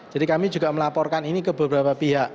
jadi kami juga melaporkan ini ke beberapa pihak